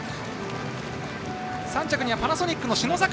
３着にはパナソニックの信櫻。